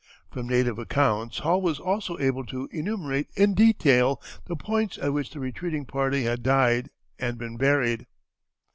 From native accounts Hall was also able to enumerate in detail the points at which the retreating party had died and been buried.